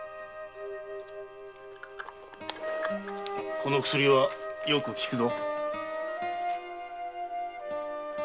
この薬はよく利くぞ。